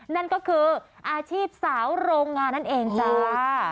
นั่นก็คืออาชีพสาวโรงงานนั่นเองจ้า